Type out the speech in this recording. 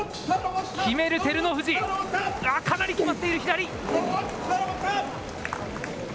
決める照ノ富士、かなり決まっている、左。